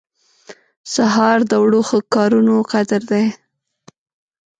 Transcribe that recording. سهار د وړو ښه کارونو قدر دی.